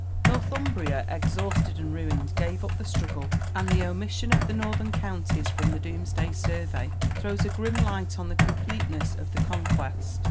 ] Northumbria, exhausted and ruined, gave up the struggle, and the omission of the northern counties from the Domesday survey throws a grim light on the completeness of the Conquest.